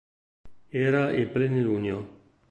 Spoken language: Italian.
Era il plenilunio.